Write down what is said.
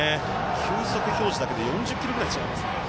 球速表示だけで４０キロぐらい違います。